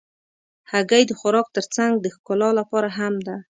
هګۍ د خوراک تر څنګ د ښکلا لپاره هم ده.